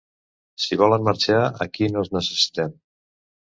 Si volen marxar, aquí no els necessitem.